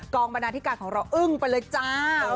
บรรณาธิการของเราอึ้งไปเลยจ้า